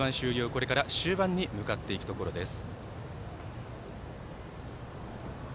これから終盤に向かっていくところです。